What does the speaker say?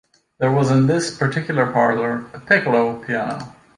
There was in this particular parlor a piccolo piano.